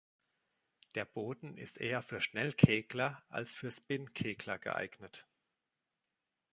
Der Boden ist eher für Schnell-Kegler als für Spin-Kegler geeignet.